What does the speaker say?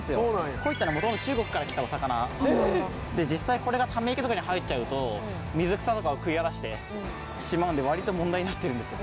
鯉って元々中国から来たお魚で実際これがため池とかに入っちゃうと水草とかを食い荒らしてしまうんで割と問題になってるんですよ。